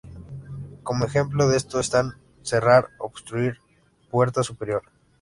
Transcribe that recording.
Como ejemplo de esto están 閉, ‘cerrar’; 閊, ‘obstruir’; 闒, ‘puerta superior’.